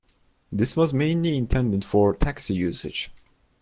This was mainly intended for taxi usage.